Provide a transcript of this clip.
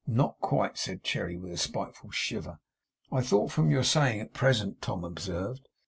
Not quite!' said Cherry, with a spiteful shiver. 'I thought from your saying "at present"' Tom observed.